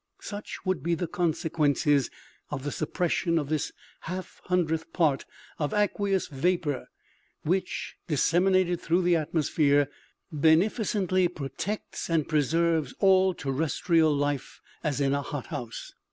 Such would be the consequences of the suppression of this half hun dredth part of aqueous vapor which, disseminated through the atmosphere, beneficently protects and preserves all terrestrial life as in a hot house.